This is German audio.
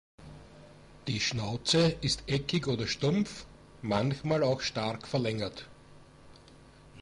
Die Schnauze ist eckig oder stumpf, manchmal auch stark verlängert.